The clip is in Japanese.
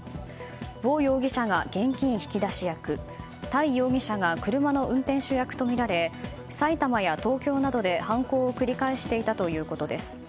ブォ容疑者が現金引き出し役タイ容疑者が車の運転手役とみられ埼玉や東京などで犯行を繰り返していたということです。